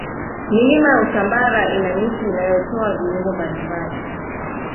milima ya usambara ina miti inayotoa viungo mbalimbali